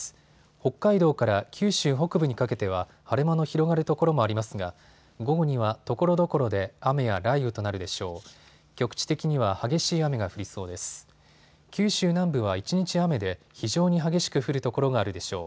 北海道から九州北部にかけては晴れ間の広がる所もありますが午後にはところどころで雨や雷雨となるでしょう。